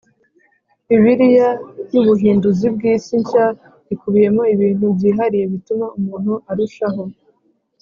Bibiliya y Ubuhinduzi bw isi nshya ikubiyemo ibintu byihariye bituma umuntu arushaho